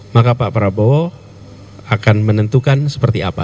maka pak prabowo akan menentukan seperti apa